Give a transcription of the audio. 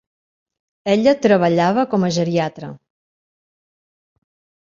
Ella treballava com a geriatra.